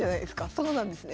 そうなんですね。